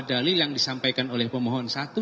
dalil yang disampaikan oleh pemohon satu